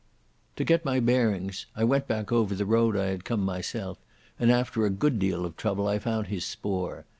To get my bearings, I went back over the road I had come myself, and after a good deal of trouble I found his spoor.